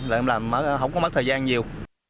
làm làm không có mất thời gian nhiều